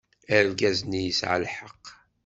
Argaz-nni yesɛa lḥeqq.